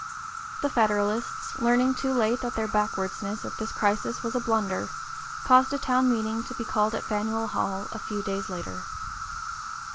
The Federalists, learning too late that their backwardness at this crisis was a blunder, caused a town meeting to be called at Faneuil Hall a few days later.